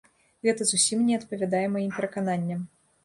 Гэта зусім не адпавядае маім перакананням.